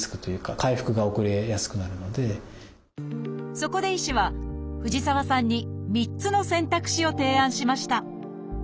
そこで医師は藤沢さんに３つの選択肢を提案しました。